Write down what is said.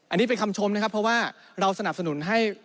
อันนี้เป็นคำชมนะครับเพราะว่าเราสนับสนุนให้